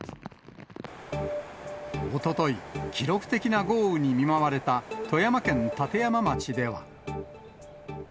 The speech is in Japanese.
おととい、記録的な豪雨に見舞われた富山県立山町では。